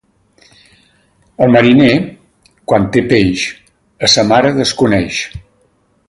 El mariner, quan té peix, a sa mare desconeix.